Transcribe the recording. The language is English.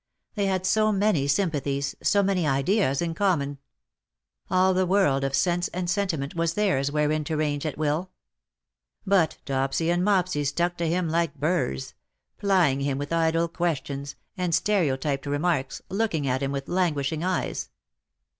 They had so many sympathies,, so many ideas in common. All the world of sense and sentiment was theirs wherein to range at will. But Dopsy and Mopsy stuck to him like burs ; plying him with idle questions^ and stereotyped remarks^ looking at him with languish ing eyes.